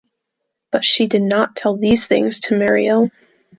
But she did not tell these things to Muriel.